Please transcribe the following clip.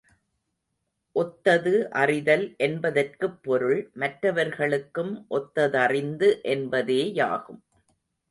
ஒத்தது அறிதல் என்பதற்குப் பொருள், மற்றவர்களுக்கும் ஒத்ததறிந்து என்பதேயாகும்.